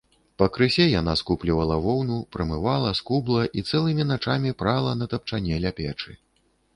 Пакрысе яна скуплівала воўну, прамывала, скубла і цэлымі начамі прала на тапчане ля печы.